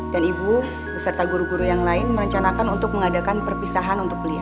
ibu beserta guru guru yang lain merencanakan untuk mengadakan perpisahan untuk beliau